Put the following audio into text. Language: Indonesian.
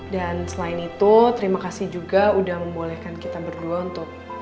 dan selain itu terima kasih juga udah membolehkan kita berdua untuk